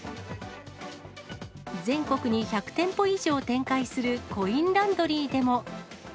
全国に１００店舗以上展開するコインランドリーでも。